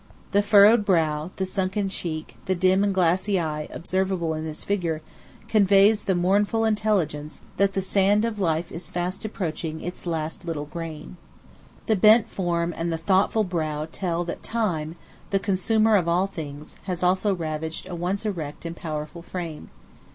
The furrowed brow, the sunken cheek, the dim and glassy eye observable in this figure, conveys the mournful intelligence that the sand of life is fast approaching its last little grain. The bent form and the thoughtful brow tell that Time, the consumer of all things, has also ravaged a once erect and powerful frame.